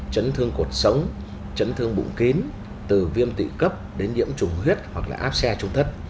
chấn thương cuộc sống chấn thương bụng kín từ viêm tỵ cấp đến nhiễm chủng huyết hoặc là áp xe trung thất